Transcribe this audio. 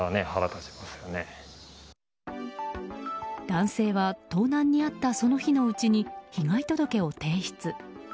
男性は盗難に遭ったその日のうちに被害届を提出。